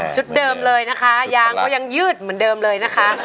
เดิมเลยนะคะยางก็ยังยืดเหมือนเดิมเลยนะคะ